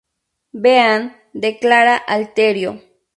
Bean", declara Alterio.